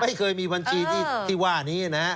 ไม่เคยมีบัญชีที่ว่านี้นะ